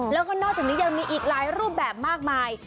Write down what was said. แล้วก็นอกจากนี้ยังมีอีกหลายรูปแบบมากมาย